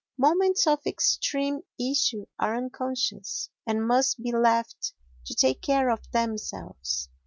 Moments of extreme issue are unconscious and must be left to take care of themselves.